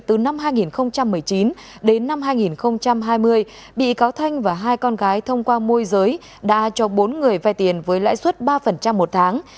từ năm hai nghìn một mươi chín đến năm hai nghìn hai mươi bị cáo thanh và hai con gái thông qua môi giới đã cho bốn người vai tiền với lãi suất ba một tháng